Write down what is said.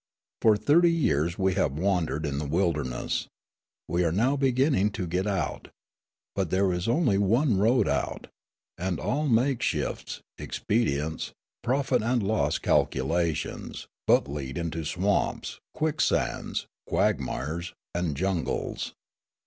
For thirty years we have wandered in the wilderness. We are now beginning to get out. But there is only one road out; and all makeshifts, expedients, profit and loss calculations, but lead into swamps, quicksands, quagmires, and jungles.